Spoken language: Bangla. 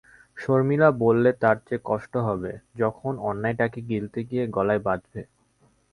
শর্মিলা বললে, তার চেয়ে কষ্ট হবে যখন অন্যায়টাকে গিলতে গিয়ে গলায় বাধবে।